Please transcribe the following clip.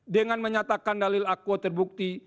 dengan menyatakan dalil akuo terbukti